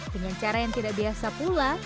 dengan cara yang tidak biasa pula